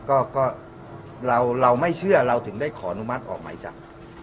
ก็เราไม่เชื่อเราถึงได้ขออนุมัติออกหมายจับ